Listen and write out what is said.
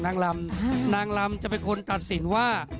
นางรำจะเป็นคนตัดสินว่า